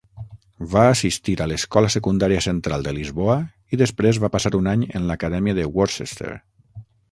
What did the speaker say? Va assistir a l'escola secundària central de Lisboa, i després va passar un any en l'Acadèmia de Worcester.